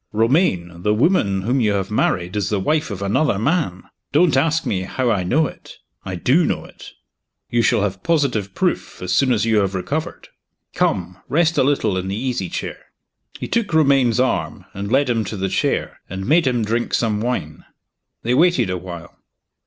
Romayne! the woman whom you have married is the wife of another man. Don't ask me how I know it I do know it. You shall have positive proof, as soon as you have recovered. Come! rest a little in the easy chair." He took Romayne's arm, and led him to the chair, and made him drink some wine. They waited a while.